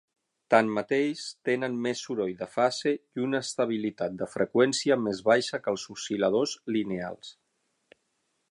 Tanmateix tenen més soroll de fase i una estabilitat de freqüència més baixa que els oscil·ladors lineals.